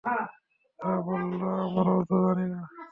তারা বলল, আমরা তো জানি না।